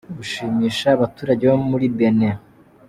Gushimisha abaturage bo muri Benin.